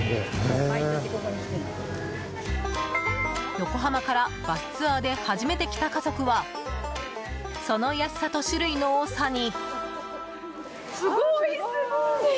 横浜からバスツアーで初めて来た家族はその安さと種類の多さに。